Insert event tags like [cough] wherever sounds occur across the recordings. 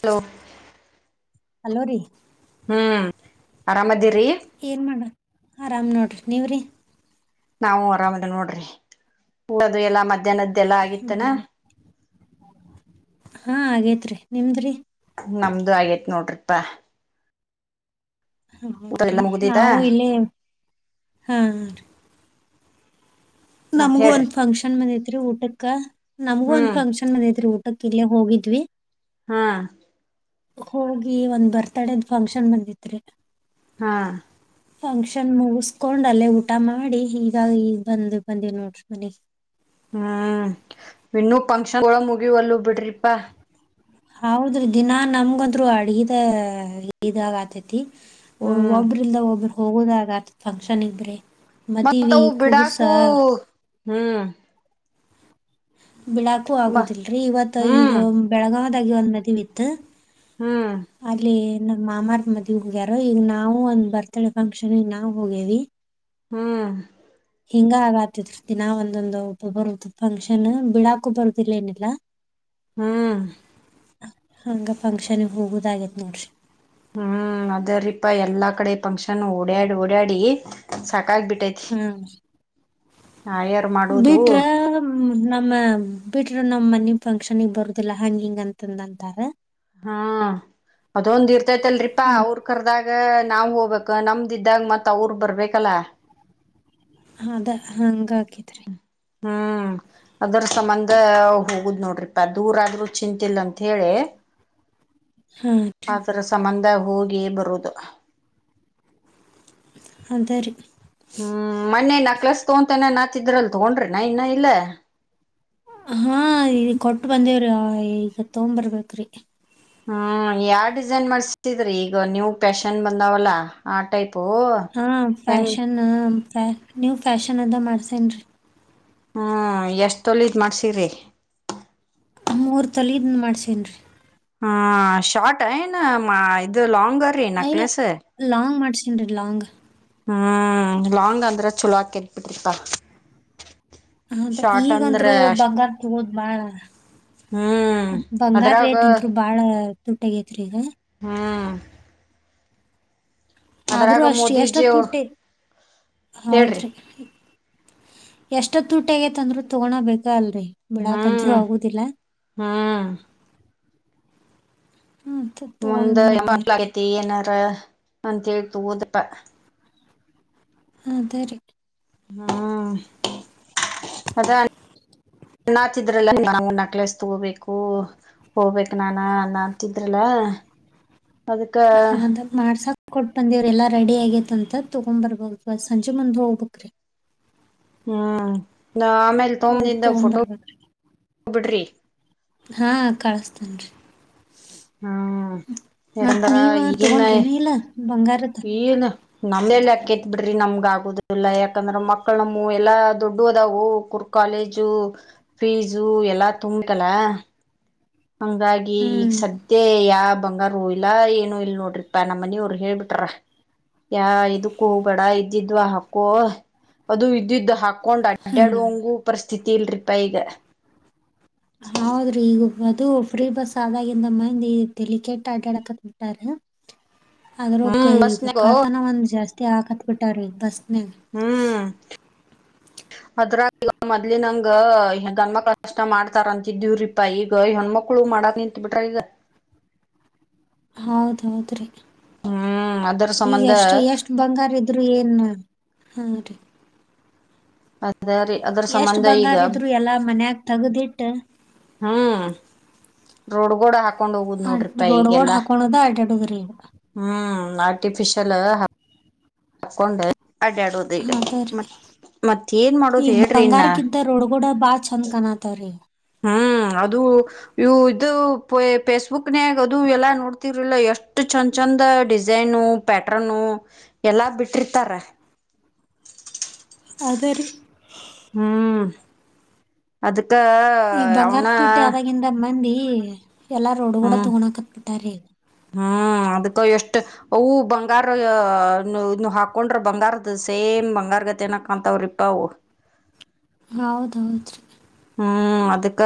Hello hello ರೀ ಹ್ಮ್ ಆರಾಮದ ಏನ್ ಮಾಡ ಆರಾಮ್ ನೋಡ್ರಿ ನೀವ್ರಿ ನಾವು ಆರಾಮದ ನೋಡ್ರಿ ಮಾಡಿವೆ ಎಲ್ಲಾ ಮಧ್ಯಾಹ್ನದ ಹ್ಮ ಹಾ ಹಾಗಗೇತ್ರಿ ನಿಮದ್ರಿ ನಮ್ದು ಆಗೇತ್ ನೋಡ್ರಿಪಾ ಹ ಊಟ ಹೌದ್ರಿ ಎಲ್ಲ ಮುಗ್ದಿದ ನಾವು ಇಲ್ಲಿ ಹಾ ಮತ್ ನಮಗು ಹೇಳ್ರಿ ಒಂದ್ ಫಂಕ್ಷನ್ ಮನೆ ತಿಊಟಕ್ಕ ನಮಗು ಒಂದ ಹ್ಮ್ ಫಂಕ್ಷನ್ನದ್ ಊ ಕ್ಕಲ್ಲ ಹೋಗಿದ್ವಿ ಹಾ ಹೋಗಿ ಒಂದ್ ಬರ್ತ್ಡೇದ್ ಫಂಕ್ಷನ್ ಬಂದಿತ್ರಿ ಹಾ ಫಂಕ್ಷನ್ ಮುಗಿಸಕೊಂಡ್ ಅಲ್ಲೇ ಊಟ ಮಾಡಿ ಈಗ ಈಗ ಬಂದ ಬಂದಿ ನೋಡ್ರಿ ಮನಿ ಹ್ಮ್ ಇನ್ನುೂ ಫಂಕ್ಷನ್ ಒಳ ಮುಗಿವ ಅಲ್ಲ ಬಿಡ್ರಿಪಾ ಹೌದ್ರಿ ದಿನಾ ನಮ್ಗಂದ್ರು ಅಡಗಿದ ಇದಾಗ ಆತೇತಿ ಹ್ಮ್ ಒಬ್ಬರು ಇಲ್ಲ ಒಬ್ರು ಹೋಗೋದಾಗತ ಫಂಕ್ಷನ್ಿಗೆ ಬ್ರಿ ಮತ್ತವು ಬಿಡಾಕು ಹ್ಮ್ ಬಿಳಾಕು ಮ ಆಗುದಿಲ್ರರಿ ಇವತ್ ಈಗ ಹ್ಮ್ ಬೆಳಗಾವ ದಾಗ ಒಂದ್ ಮದಿವಿ ಇತ್ತು ಹ್ಮ್ ಅಲ್ಲಿ ನಮ್ಮ ಮಾಮಾರ್ ಮದ್ವಿ ಹೋಗ್ಯಾರ ಈಗ ನಾವು ಒಂದ್ ಬರ್ತ್ಡೇ ಫಂಕ್ಷನ್ಗ ನಾವು ಹೋಗೇವಿ ಹ್ಮ್ ಹಿಂಗ ಅಗತೈತ ಒಂದಿಷ್ಟು ದಿನಾ ಒಂದೊಂದು ಬರುದ ಫಂಕ್ಷನ್ ಬಿಡಾಕು ಬರುದಿಲ್ಲ ಏನಿಲ್ಲ ಹ್ಮ್ ಹಂಗ ಫಂಕ್ಷನ್ ಹೋಗುದ ಆಗೈತೆ ನೋಡ್ರಿ ಹ್ಮ್ ಅದ ರೀಪಾ ಎಲ್ಲಾ ಕಡೆ ಫಂಕ್ಷನ್ ಓಡ್ಯಾಡಿ ಓಡ್ಯಾಡಿ ಸಾ ಸಾಕಾಗ್ ಬಿಟ್ಟೈತಿ ಹಾ. ಬಿಟ್ರ ನಮ್ಮ ಬಿಟ್ರ ನಮ್ಮನಿ ಫಂಕ್ಷನ್ ಗಿ ಬರುದಿಲ್ಲ ಹಂಗ ಹಿಂಗ ಅಂತನಾತಾರ ಹ್ಮ ಅದೊಂದ್ ಇರ್ತೈತ್ಲ್ರಿಪಾ ಹ್ಮ್ ಅವ್ರ ಕರ್ದಾಗ ನಾವ್ ಹೋಗ್ಬೇಕ ನಮ್ದಿದ್ದಾಗ ಮತ್ ಅವ್ರ ಬರ್ಬೇಕಲ್ಲ ಅದ ಹಂಗ ತ್ರಿ ಹ್ಮ್ ಅದರ ಸಂಬಂಧ ಹೋಗುದ್ ನೋಡ್ರಿಪಾ ದೂರ ಆದ್ರ ಚಿಂತಿಲ್ಲ ಅಂತ ಹೇಳಿ ಹಾ ಹದರ ಸಂಬಧ ಹೋಗಿ ಬರುದು ಅದ ರಿ ಹ್ಮ್ ಮೊನ್ನೆ ನಕ್ಲಸ್ ತಗೋತನ ನಾತಿದ್ರಲ್ ತಗೊಂಡ್ರಿ ನಾ ಇನ್ನ ಇಲ್ಲ ಹಾ ಈ ಕೊಟ್ಟು ಬಂದೇವ್ರಿ ಈಗ ತಗೊಂಡ್ ಬರ್ಬೇಕ್ರಿ ಹ್ಮ್ ಯಾವ ಡಿಸೈನ್ ಮಾಡಸಿದ್ರಿ ಈಗ ನೀವು ಫ್ಯಾಷನ್ ಬಂದಾವಲ್ಲಾ ಆ ಟೈಪ್ ಹ್ಮ್ ಫ್ಯಾಷನ್ ನೀವ್ ಫ್ಯಾಷನ್ ಅದ ಮಾಡ್ಸೇನ್ ರಿ ಹ್ಮ್ ಎಷ್ಟ ತೊಲಿದ್ ಮಾಡ್ಸಿರಿ ಮೂರು ತೊಲಿದ್ ಮಾಡ್ಸೇನ್ ರೀ ಹ ಶಾರ್ಟ್ ಏನ್ ಮಾ ಇದು ಏನ್ ಲಾಂಗ್ ಹಂಗ ರೀ ನಕ್ಲಸ್ ಡ ಲಾಂಗ್ ಹ್ಮ್ ಲಾಂಗ್ ಅಂದ್ರ ಚಲೋ ಆಕೆತ್ ಬಿಡ್ರಿಪಾ ಹೌದ ಶಾರ್ಟ್ ಅಂದ್ರ ಈಗಂದ್ರು ಅಷ್ಟ ಬಂಗಾರ ತಗೋದ ಬಾಳ ಹ್ಮ್ ಬಂಗಾರ ಅದ್ರಾಗ ರೇಟ್ ಅಂದರು ಬಾಳ ತುಟ್ಟಿ ಆಗ್ಯಾತ್ರಿ ಈಗ ಹ್ಮ ಆದ್ರೂ ಅಷ್ಟ್ ಮೋದಿಜಿ ಎಷ್ಟೊತ್ ಅವ್ರು ತುಟ್ಟಿ ಹೇಳ್ರಿ ಹೌದ್ರಿ ಎಷ್ಟು ತೂಟೆಗೆ ತಂದ್ರರು ತಗೋಳ ಬೇಕಾ ಅಲ್ಲ ಬಿಳಕಂತ್ರು ಹ್ಮ್ ಆಗುದಿಲ್ಲ ಹ್ಮ್ ಹ್ಮ್ ತಗೊಂಡ್ ಮುಂದೆ ಬಂದೇವ್ರಿ ಎ ಏನ ಅಂತ ಹೇಳ್ತ ಓದಪ್ಪ ಹದ ರೀ ಹ್ಮ್ ಮದ ಅ್ಣತಿದ್ರಲ್ಲ ನಾ ನಕ್ಲೆಸ್ ತಗೋಬೇಕು ಹೋಗ್ಬೇಕ ನಾನ ಅ್ಣ ಅತಿದ್ರಲ್ಲ ಹದ ಮಾಡ್ಸ ಕೊಟ್ ಬಂದಿವವ್ರ ಎಾ ರೆಡಿ ಆಗೇತಂತ ತಗೊ್ಬರ್ಬೋವಾ ಸಂಜೆ ಮುಂದ್ೆ ಹೋಗ್ಬಕ್್ರಿ ಹ್ಮ್ ನ ಆಮೇಲೆ ಹೋಗಿ ತೋಂಬದಿಂದ ಫೋಟೋ ತಗೊಂಬರ್ಬೇಕ್ರಿ ಹಬಡ್ರಿ ಹಾ ಕಳಸ್ತೇನ್ರಿ ಹ್ಮ್ ಮತ್ತ್ ಯಾಕಂದ್ರ ನೀವ ಈಗಿನ ತಗೊಂಡ್ರಿನ ಇಲ್ಲ ಬಂಗಾರತ ನಮ್ಮೆಲ್ಲ ಅಾಕತ್ ಬಿಡ್ರಿ ನಮ್ಗ ಆಗುದಲ್ಲಾ ಯಾಕಂದ್ರ ಮಕ್ಳ ನಮ್ಮ ಎಲ್ಲಾ ದೊಡ್ಡು ಹದವು ಕುರ್ ಕಾಲೇಜು ಫೀಸು ಎಲ್ಲಾ ತುಂಬಲ್ಲ ಹಂಗಾಗಿ ಈಗ ಹ್ಮ್ ಸದ ಯಾ ಬಂಗಾರ ಇಲ್ಲ ಏನು ಇಲ್ ನೋಡ್ರಿಪ್ಪಾ ನಮ್ಮ ಮನಿವರು ಹೇಳ್ಬಿಟ್ರ ಯಾ ಇದಕ್ಕ ಹ ಬೇಡ ಇದಿದ್ವ ಹಾಕೋ ಅದು ಇದಿದ್ದ ಹಾಕ ಕೊಂಡ್ ಅಡ್ಡಾಡಂಗು ಪರಿಸ್ಥಿತಿ ಕಲ್ರಿಿ ಪ ಈಗ ಹೌದ್ರಿ ಈಗ ಅದು ಫ್ರೀ ಬಸ್ ಆದಾಗಿಂದ ಮಂದಿ ಡೆಲಿಕೆಟ್ ಆಡಾಡಕತ್ ಬಿಟ್ಟಾರ ಅದ್ರ ಕ ಹ್ಮ್ ಈಗ ಬಸ್ನಾಗ ಕಾತನ ಒಂದ್ ಜಾಸ್ತಿ ಆಾಕತ್ ಬಿಟ್ಟಾರ ರೀ ಬಸ್ ಹ ಹ್ಮ್ ಅದ್ರಾಗ ಈಗ ಮೊದ್ಲಿಿನಂಗ ಗಣ್ಮಕ್ಳ ಕಷ್ಟ ಮಾಡ್ತಾರಂತಿದ್ದೀವ್ರೀಪಾ ಈಗ ಹೆಣ್ಮಕ್ಳು ಮಾಡಕ್ ನಿಂತತ್ ಬಿಟ್ರ ಈಗ ಹೌದೌದ್ರಿ ಹ್ಮ್ ಅದರ ಈಗ ಸಂಬಂಧ ಎಷ್ಟು ಎಷ್ಟ್ ಬಂಗಾರ ಇದ್ರು ಏನ್ ಹಾ ರೀ ಅದರಿ ಅದರ ಎಷ್ಟ್ ಸಂಬಂಧ ಈಗ ಬಂಗಾರ ಇದ್ರು ಎಲ್ಲಾ ಮನ್ಯಾಗ ತಗ್ದಿಟ್ಟ ರೋಡ್ ಗೋಡ ಹ ನೋ ರೋಡ್ಗೋಡ್ ಹ್ಮ ಹಾಕೊಳೋದ ಅಡ್ಯಾಡೋದ್ರಿ ಈಗ. ಆ ಚಲ ಹಕೊಂಡು ಹದರಿರಿ ಮತ್ ಏನ್ ಈ ಮಾಡೋದು ಹೇಳ್ರಿ ಇನ್ನ ಬಂಗಾರಗಿಂತ ರೋಡ್ ಕೂಡ ಬಾ ಚಂದ್ ಕನತ್ವರಿೀ ಹ್ಮ್ ಅದು ಇವು ಇದು ಫೇಸ್ಬುಕ್ನ್ಯಾಗ ಅದು ಎಲ್ಲಾ ನೋಡ್ತಿವ್ರಿಲ್ಲ ಎಷ್ಟು ಚಂದ ಚಂದ ಡಿಸೈನು ಪ್ಯಾ ಎಲ್ಲಾ ಬಿಟ್ಟಿರ್ತರ ಅದೇ ರೀ ಹ್ಮ್ ಅದು ಇತ್ತ ಅವನಾ ಹ್ಮ್ ಹ್ಮ್ ಹ್ಮ್ ಅದ್ಕ್ಕ ಎಷ್ಟು ಅವು ಬಂಗ ಬಂಗಾರ ಇ ಹಾಕೊಂಡ್ರ ಬಂಗಾರದ ಸೇಮ್ ಬಂಗಾರ ಗತೆ ಏನ ಕನಾತಾವ್ರಿಪ್ಪ ಅವು ಹೌದೌದ್ರೀ ಹ್ಮ್ ಅದಕ್ಕ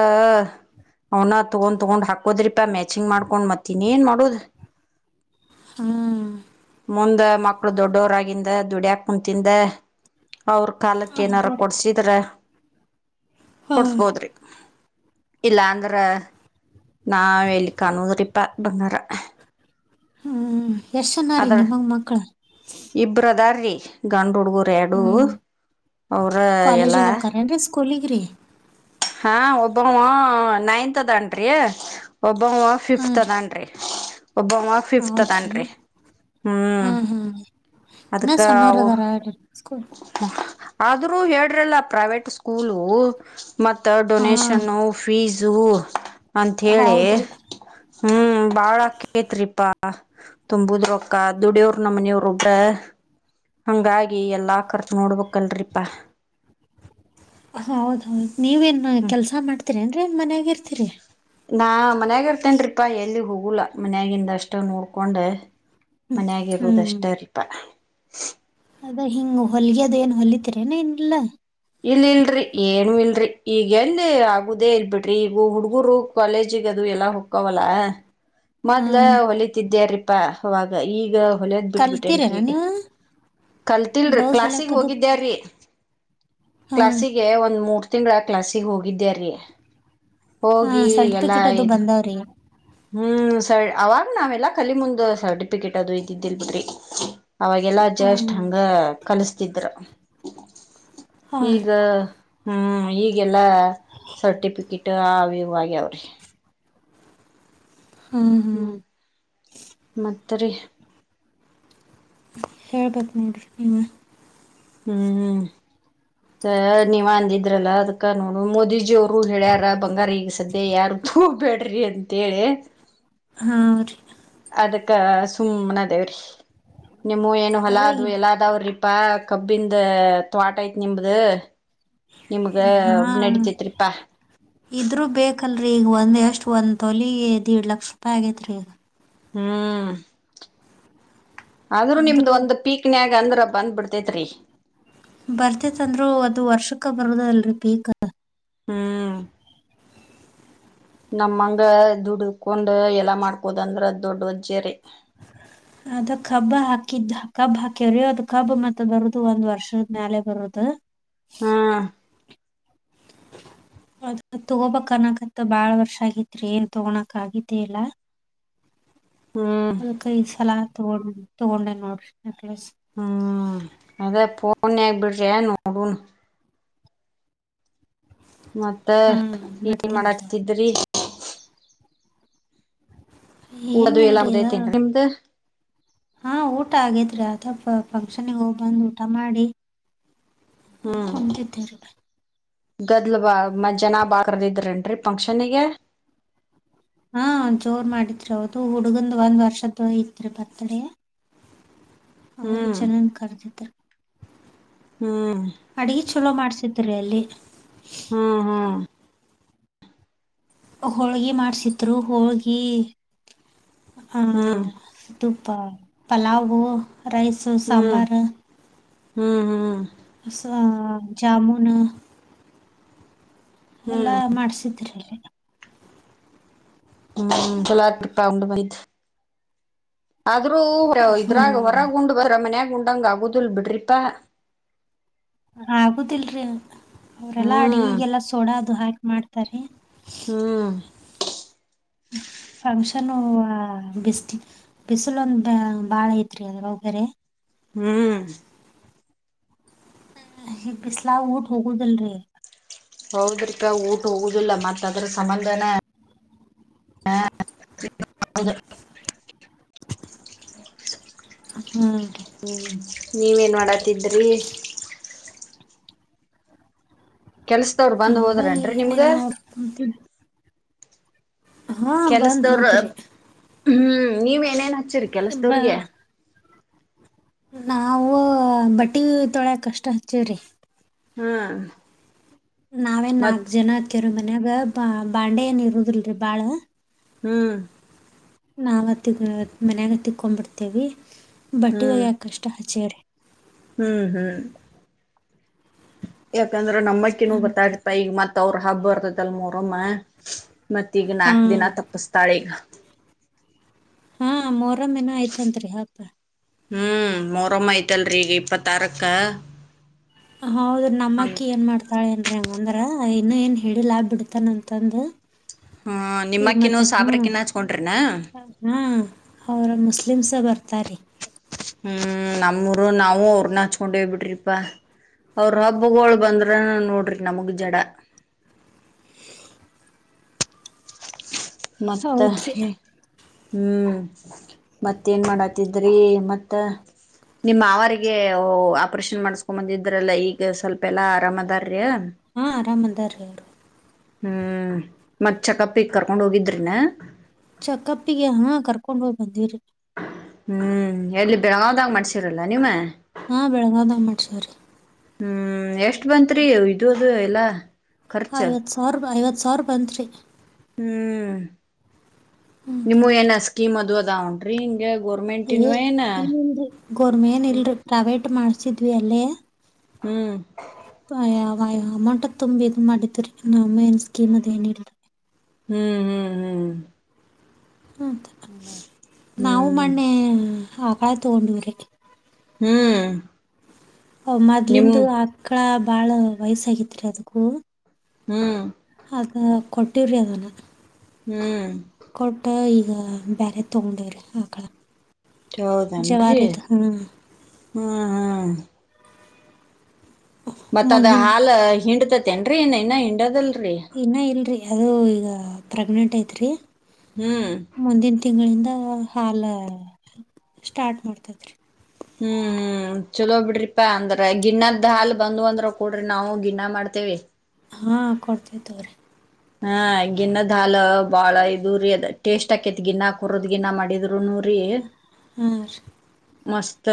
ಅವನ ತಗೊಂಡ್ ತೊಗೊಂಡ್ ಹಾಕೋದ್ರಿಪಾ ಮ್ಯಾಚಿಂಗ್ ಮಾಡ್ಕೊಂಡ್ ಮತ್ತನ ಇನ್ನೇ ಏನ್ ಮಾಡುದ ಹ್ಮ ಮುಂದ ಮಕ್ಳು ದೊಡ್ಡವರಗಿಂದ ದುಡ್ಯಾಕ ಕುಂತಿಂದ ಅವ್ರ ಕಾಲಕ್ಕ ಏನಾರ ಅದಾರಿ ಕೊಡ್ಸಿದ್ರ ಹ್ಮ್ ಕೊಡ್ಸ್ಬೋದ್ರಿ ಇಲ್ಲ ಅಂದ್ರ ನಾವ ಎಲ್ಲಿ ಕಾಣೋದ್ರಿಪ ಬಂಗಾರ ಹ್ಮ ಎಷ್ಟ ನ ರೀ ಅದ್ರ ನಿಮಗ ಮಕ್ಳ [unintelligible] ಹುಡುಗರು ಎರಡು ಹ್ಮ್ ಅವ್ರ ಎಲ್ಲ ಸ್ಕೂಲಿಗರಿ ಹಾ ಒಬ್ಬ ನೈನ್ತ್ದನ್ರಿ ಒಬ್ಬ ಹಾ ಫಿಫ್ತ್ ರೀ ಅದನ್ರಿ ಒಬ್ಬ ಫಿಫ್ತ್ ಹೌದ್ರಿ ಅದಾನ್ರಿ ಹ್ಮ್ ಹಾ ಹಾ ಇನ್ನ ಅದಕ್ಕ ಸಣ್ಣರದರ [unintelligible] ಆದ್ರೂ ಹೇಳ್ರಲ್ಲ ಪ್ರೈವೇಟ್ ಸ್ಕೂಲು ಮತ್ತು ಹಾ ಡೊನೇಷನ್ನು ಫೀಸ್ [unintelligible] ಅಂತ ಹೇಳಿ ಹೌದ್ರಿ ಹ್ಮ್ ಬಾಳ ಅಕ್ಕೇತ್ರಿಪಾ ತುಂಬುದ್ರೊಕ್ಕ ದುಡಿಯೋರ ನಮ್ಮ ಮನೆಯವ್ರ ಒಬ್ಬ ಹಂಗಾಗಿ ಎಲ್ಲಾ ಎಲ್ಲಾ ಖರ್ಚು ನೋಡ್ಬೇಕ ಕಣ್ರೀ ಪ ಹೌದು ಹೌದು ನೀವೇನ್ ಕೆಲ್ಸ ಮಾಡ್ತೀರಿ ಏನ್ರೀನ್ ಮನ್ಯಾಗ ಇರ್ತೀರಿ ನಾ ಮನ್ಯಾಗ ಇರ್ತೇನ್ಪಾ ಎಲ್ಲಿ ಹೋಗಲಾ ಮನ್ಯಾಗಿಿಂದ ಅಷ್ಟು ನೋಡ್ಕೊಂಡ ಹ್ಮ್ ಮನ್ಯಾಗಿರುದಷ್ಟೇ ರಿ ಪ [unintelligible] ಅದ ಹಿಂಗ ಹೊಲಿಗೆ ಏನ್ ಹೊಲಿತರನ ಇನ್ ಇಲ್ಲ ಇಲ್ ಇಲ್ರಿ ಏನು ಇಲ್ರರಿ ಈಗ ಎಲ್ಲಿ ಆಗುದೇ ಇಲ್ ಬಿಿಟ್ರಿ ಈಗ ಹುಡ್ಗೂರು ಕಾಲೇಜಗ ಅದು ಎಲ್ಲಾ ಹೊಕ್ಕವಲ್ಲ ಮೊದ್ಲ ಹಾ ಹೊಲಿತಿದ್ದ್ಯ ರೀ ಆವಗ ಈಗ ಹೊಲ್ಯದ್ ಬಿಟ್ಬಿಟ್ಟೇನ ಕಲ್ತಿರೇನ ರಿ ನೀವು ಕಲ್ತಿಲ್ರಿ ಬ್ಲೌಸ್ ಕ್ಲಾಸಗ್ ಹೊಲಿಯಾಕದು ಹೋಗಿದ್ಯ ರಿ ಹಾಂ ಕ್ಲಸ್ಿಗೆ ಒಂದು ಮೂರ್ ತಿಂಗಳ ಕ್ಲಾಸಿಗೆ ಹೋಗಿದ್ದ್ಯಾರೀ ಹಾ ಸರ್ಟಿಫಿಕೇಟ್ ಅದು ಬಂದವ್ರಿ ಹ್ಮ್ ಸರ್ ಅವಾಗ ನಾವೆಲ್ಲಾ ಕಲಿ ಮುಂದ ಸರ್ಟಿಫಿಕೇಟ್ ಅದು ಇದಿದ್ದಿಲ್ ಬಿಡ್ರಿ ಅವಾಗೆಲ್ಲಾ ಹಾಂ ಜಸ್ಟ್ ಹಂಗ ಕಲಿಸತಿದ್ರ ಹಾಂ ಹಾಂ ಈಗ ಹ್ಮ್ ಈಗೆಲ್ಲಾ ಸರ್ಟಿಫಿಕೇಟ್ ಆವ್ಯಾವ್ರಿ ಹ್ಮ್ ಹ್ಮ್ ್ರೇ ಹಳ್ ಬತಮಬೇಕ ಹ್ಮ್್ಮ ನೀವ್ ಅಂದಿದ್ರಲ್ಲ ಅದ್ ಕಾನೂನು ಮೋದಿಜಿ ಅವರು ಹೇಳ್ಯಾರ ಬಂಗಾರ ಈಗ ಸದ್ಯ ಯಾರ್ ಹೋಗ್ಬೇಡ್ರಿ ಅಂತೇಳಿ ಹಾ ರ ಅದಕ್ಕ ಸುಮ್ಮ್ನ ದೇವ್ರಿ ನಿಮ್ಮ ಏನು ಅದ ಹಲಾ ಅದು ಇದ್ ಎಲ್ಲಾದ್ರ ಪ್ಪಾ ಕಬ್ಬಿಂದ ತವಾಟ ಐತ್ ನಿಮ್ದ ನಿಮ್ಗ ನಡಿತೈತ್ರಿಪಾ ಇದ್ೂ ಬೇಕಲ್ರರಿ ಈಗ ಒಂದ್ ಎಷ್ಟ್ ಒಂದ್ ತೊಲಿ್ಏಡ್ ಲಕ್ಷ ರೂಪಾಯಿ ಆಗೇತ್ೀ ಈಗ ಹ್ಮ್ ಆದ್ರೂ ನಿಮ್ದು ಅಂದ್ರೂ ಒಂದು ಪೀಕ್ನ್ಯಾಕ್ ಅಂದ್ರ ಬಂದ್ ಬಿಡ್ತೇತ್ರಿ ಬರ್ತೆೇತ್ಂದ್ರು ಅದು ವರ್ಷಕ್ಕ ಬರುದ ಅಲ್ರರಿ ಪೀಕ್ ಹ್ಮ್ ನಮ್ಮಂಗ ದುಡಕೊಂಡ್ ಎಲ್ಲಾ ಮಾಡ್ಕೋದ ಅಂದ್ರ ದೊಡ್ಡ ಅಜ್ಜರಿ ಅದ ಕಬ್ಬ ಹಾಕಿದ್ದ ಕಬ್ ಹಾಕ್ಯವ್ರಿ ಅದು ಕಬ್ ಮತ್ತ ಬರುದು ಒಂದ್ ವರ್ಷದ ಮ್ಯಾಲ ಬರುದು ಹಾ ಅದ ತಗೋಬನಕಂತ ಭಾಳ ವರ್ಷ ಆಗಿತ್ರಿ ಏನ್ ತಗೋಳಕ ಆಗಿದ್ದೇ ಇಲ್ಲ ಹ್ಮ್ ಹಲ್ ಕೈ ಸಲದ ತಗೊಂಡ ತೊಗೊಂಡೆ ನೋಡ್ರಿ ನೆಕ್ಲೆಸ್ ಹ್ಮ್ ಅದೇ ಫೋನ್ ಆಗ್ಬಿಡ್ರಿ ನೋಡಣ ಮತ್ತ ಹಾ ಏನ್ ಬಿಡ್ತೇನ್ರಿ. ಮಾಡತಿದ್ರಿ ಏನ ಊಡದು ಎಲ್ಲ ಇಲ್ರಿ ಇದ ಮುಗ್ದೈತೇನ್ರಿ ನಿಮ್ದು ಹಾ ಊಟ ಆಗೇತಿ ಅದ ಫಂಕ್ಷನ್ಿಗೆ ಹೋಗಿ ಬಂದು್ ಊಟ ಮಾಡಿ ಕಮ ಚಿತರ ಗದ್ಲು ಬಾ ಮ ಜನ ಬಾಕ್ರದ ಇದ್ರೇನ್ರಿ ಫಂಕ್ಷನ್ಿಗೆ ಹಾ ಜೋರ್ ಮಾಡಿದ್ರಿ ಹೌದು ಹುಡ್ಗಂದ್ ಒಂದ್ ವರ್ಷದ್ದ ತ್ರಿ ಬತಡ ಅವರು ಹ್ಮ್ ಜನನ್ ಕರೆದಿದ ಹ್ಮ್ ಚಲೋ ಮಾಡ್ಸತ್ರಿ ಅಲ್ಲಿ ಹ್ಮ್ ಹ್ಮ್ ಹೋಳ್ಗಿ ಮಾಡ್ಸಿದ್ರು ಹೋಳ್ಗಿ ಹಾ ಹ್ಮ್ ಅ ಪಲಾವ [inaudible] ರೈಸ್ ಹ್ಮ್ ಹ್ಮ್ ಹ್ಮ್ ಅ ಜಾಮುನ್ [inaudible] ಹ್ಮ್ ಎಲ್ಲಾ ಹ್ಮ್ ಚಲಾಟ ಪಾಂಡ ಮಾಹಿತ [inaudible] ಆದ್ರೂ ಇದ್ರಾಗ ಹೊರ ಹ್ಮ್ ಗುಂಡ್ ಬ ಮನ್ಯಾಗುಂಡ [inaudible] ಅಂಗ ಆಗುದಿಲ್ಲ ಬಿಡ್ರಿಪ ಆಗುದಿಲ್ರಿ [inaudible] ಅವರೆಲ್ಲಾ ಹ್ಮ್ ಅಡಿಗೆಗೆಲ್ಲ ಸೋಡ ದು ಹಾಕ್ ಮಾಡ್ತಾರೆ ಹ್ಮ್ ಫಂಕ್ಷನ್ ಬಿಸಿಲು ಬಿಸಿಲು ಒಂದ ಬ ಬಾಳ ಐತ್ರಿ ಅದ ಬಾ ಬೇರೆ [inaudible] ಹ್ಮ್ ಬಿಸಲ ವ ಠೋಕು ಜಲ್ ರ [inaudible] ಹೌದ್ರಕ ಊಟ ಹೋಗುದಿಲ್ಲ ಮತ್ತ ಅದ್ರ ಸಂಬಂಧಾನ [inaudible] ಹಾ ಹ್ಮ ನೀವ ಏನ್ ಮಾಡ ತಿದ್ದರೆ ಕೆಲ್ಸದವ್ರ ಬಂದ್ ಅದ ಹೋದ್ರೇನ್ರಿ ನಿಮ್ಗ ಏನಿಲ್ಲ ನೋಡ್ ಹಾ ಕೆಲ್ಸದವ್ರ ಹ್ಮ್ ಮುಚರಿ ಬ ಕೆಲಸದವ್ರಿಗೆ [inaudible] ನಾವು ಬಟ್ಟೆ ತೋಳಿತಕ್ಕ ಹ್ಮ್ ನಾವೇನ್ ಮತ್ ನಾಲ್ಕ ಜನ ಅತ್ಕ್ಯವ್ರ ಮನ್ಯಾಗ ಬಾ ಹ್ಮ್ ನಾವತ್ತ ಮನ್ಯಾಗ ತಿಕೊಂಡ್ಬಿಡ್ತೇವಿ ಬಟ್ಟೆ ಹ್ಮ್ ಹೋಗಿಯಾಕೆ ಹ್ಮ್ ಹ್ಮ್ ಎಕಂದ್ರೆ ನಮಕ್ಕಿನೂ ಹಬ್ಬ ಬರ್ಥೈತ್ ಅಲ್ಲ ಮೊಹರಂ ಮತ್ ಈಗ ಹಾ ನಾಲ್ಕು ದಿನ ತಾಪ್ಸ್ತಾಳೆ ಹಾ ಮೊರಮ್ಮೇ [unintelligible] ನ ಆಯ್ತನ್ರಿ ಹಪ ಹ್ಮ್ ಮೊರಮ್ಮ ಐ್ತಲ್ರರಿ ಈಗ ಇಪ್ಪತ್ತಾರಕ್ಕ ಹೌದ್ರಿ ಹಂಗ ನಮ್ಮಕ್ಕಿ ಏನ್ ಮಾಡ್ತಾಳೆ ಏನ್ರಿ ಹೆಂಗಂದ್ರ ಇನ್ನು ಏನು ಹೇಳಿಲಾ ಬಿಡ್ತಾನ ಅಂತಂದು ಹಾ ನಿಮ್ಮಕ್ಕಿನ ಸಾಬ್ರಕ್ಕಿನ ಹಚ್ಕೊಂಡ್ರಿನಾ ಅವ [unintelligible] ಮುಸ್ಲಿಮ್ ಸ ಬರ್ [unintelligible] ರ್ತಾರಿ ಹ್ಮ್ ನಮ್ಮೂರು ನಾವು ಅವ್ರನ್ನ ಹಚ್ಕೊಂಡೇ ಬಿಡ್ರಿಪಾ ಅವ್ರ ಹಬ್ಬಗಳು ಬಂದ್ರ ನೋಡ್ರಿ ನಮಗ್ ಜಡಾ ಮತ್ತಾ [unintelligible] ಹೌದ್ರಿ ಹ್ಮ್ ಮತ್ತೇನ್ ಮಾಡತಿದ್ರಿ ಮತ್ತ ನಿಮ್ಮ ಮಾವರಿಗೆಒಳ್ಳೆ ಒ ಆಪರೇಷನ್ ಮಾಡಸ್ಕೊ ಬಂದಿದ್ರಲ್ಲ ಈಗ ಸ್ವಲ್ಪ ಎಲ್ಲಾ ಆರಾಮದಾರ್ ಹಾ ಆರಾಮ್ ಅದಾರ್ ಅವರು ಹ್ಮ್ ಮತ್ ಚೆಕಪ್ ಈಗ್ ಕರ್ಕೊಂಡ್ ಹೋಗಿದ್ರನ ಚೆಕಪ್ ಇಗೆ ಹಾ ಕರ್ಕೊಂಡ್ ಹೋಗ್ ಬಂದಿವ್ರೀ ಹ್ಮ್ ಎಲ್ಲಿ ಬೆಳಗಾದಂಗ [unintelligible] ಮಾಡ್ಸಿರಲ್ಲ ನೀ ಮ ಹಾ ಬೆಳಗಾಂವ [unintelligible] ಮಾಡ್ಸಿವ್ ರೀ ಹ್ಮ್ ಎ ಎಷ್ಟ ಬಂತ್ರಿ ಇದು ಅದು [unintelligible] ಎಲ್ಲ [unintelligible] ಐವತ್ತು ಸಾವಿರ [unintelligible] ಐವತ್ತು ಸಾವಿರ ಬಂತ್ರಿ ಹ್ಞೂ ಸರಿ. ನಿಮ್ಮ ಏನ [unintelligible] ಸ್ಕೀಮ್ ಅದು [unintelligible] ಏ ಏನ ಇಲ್ ಇಲ್ರರಿ ಗವರ್ನಮೆಂಟ್ [unintelligible] ಹ್ಮ್ ಇಲ್ರಿ ಪ್ರೈವೇಟ್ ಮಾಡಸ ಮಾಡ್ಸಿದ್ವಿ ಅಲ್ಲೇ ಹ್ಮ್ [unintelligible] ಅಮೌಂಟ್ ತುಂಬ ಇದ ಮಾಡಿದರಿ ನಮ ಏನ್ ಸ್ಕೀಮ್ ಅದ್ ಏನ ಇಲ್ರರಿ ಹ್ಮ್ ಹ್ಮ್ ಹ್ಮ್ ಹಂತ ನಾವು ಹ್ಮ್ ಮೊನ್ನೆ [unintelligible] ತಗೊಂಡಿವ್ರಿ ಹ್ಮ್ ನಿಮ್ ಮದ್ಲಿಂದು [unintelligible] ಅಕ್ಕ ಬಾಳ ವಯಸ್ಸಾಗಿತ್ರಿ ಅದಕ್ಕೂ ಹ್ಮ್ ಅದ [unintelligible] ಕೊಟ್ಟವ್ರಿ ಅದಲ್ಲ ಹ್ಮ್ ಹ್ಮ್ [unintelligible] ಬೇರೆ ತಗೊಂಡವ್ರಿ ಆಕಳ ಹೌದೇನ್ರಿ ಜವಾರಿದು ಹಾಂ ಹ್ಮ್ ಹ್ಮ್ ಮತ್ತ ಅದ ಮುಂದಿನ ಹಾಲ್ ಹಿಂಡತ ತನ್್ರ ಏನ ಇಏ ಹಂಡದಲ್ ಇನ್ನ ಇಲ್ರಿ ಯಾವುದೋ ಈಗ ಪ್ರೆಗ್ನೆಂಟ್ ಐತೆ ರೀ ಹ್ಮ್ ತಿಂಗಳಿಂದ ಹಾಾಲ ಸ್ಟಾರ್ಟ್ ಮಾಡ್ತತ್ರಿ ಹ್ಮ್ ಹ್ಮ್ ಚಲೋ ಬಿಡ್ರಿಪಾ ಅಂದ್ರ ಗಿನ್ನದ್ ಹಾಲ್ ಬಂದ್ ಅಂದ್ರ ಕೊಡ್ರಿ ನಾವು ಗಿನ್ನಾ ಮಾಡ್ತೇವಿ ಹಾ ಕೊಡ್ತತವ್ರೀ ತಾಗ್ರೆ ಹಾ ಗಿನ್ನದ ಹಾಲ ಬಾಳ ಇದುರಿೀ ಅದ ಟೇಸ್ಟ್ ಆಾಕೇತ್ ಗಿನ್ನಾ ಕುರದ್ ಗಿನ್ನಾ ಮಾಡಿದ್್ರ ಅನೂರು ಹಾ ರಿ. ಮಸ್ತ್